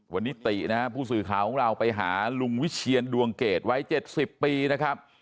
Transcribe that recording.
วันนี้ตินะครับผู้สื่อข่าวของเราไปหาลุงวิเชียนดวงเกตไว้๗๐ปีนะครับ